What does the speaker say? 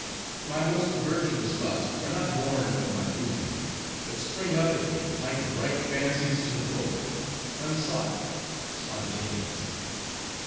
My most virtuous thoughts are not born of my musings, but spring up in me, like bright fancies to the poet; unsought, spontaneous.